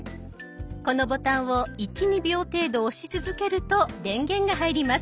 このボタンを１２秒程度押し続けると電源が入ります。